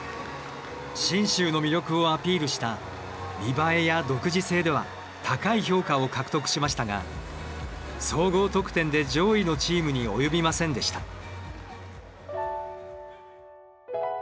信州の魅力をアピールした見栄えや独自性では高い評価を獲得しましたが総合得点で上位のチームに及びませんでした。